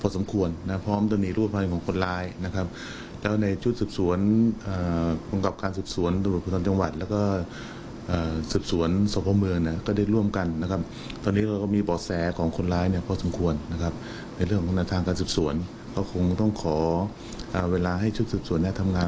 ส่วนน่าทำงานรวบรวมหลักฐานและให้มากขึ้นกว่านี้นิดหนึ่ง